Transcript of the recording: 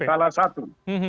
saya dari bawah salah satu